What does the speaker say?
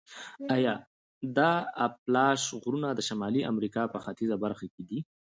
د اپالاش غرونه د شمالي امریکا په ختیځه برخه کې دي.